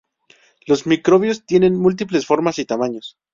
Los microbios tienen múltiples formas y tamaños.